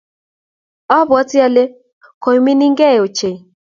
abwatii ale alee koimining ochei.